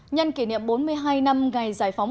nhân kỷ niệm bốn mươi hai năm ngày giải phóng